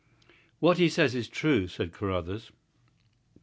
"What he says is true," said Carruthers.